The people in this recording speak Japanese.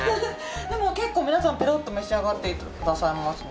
でも結構皆さんペロッと召し上がってくださいます。